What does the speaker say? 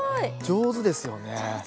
上手ですね。